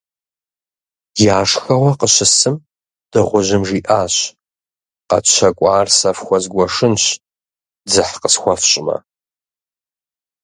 Я шхэгъуэ къыщысым, дыгъужьым жиӏащ: - Къэтщэкӏуар сэ фхуэзгуэшынщ, дзыхь къысхуэфщӏмэ.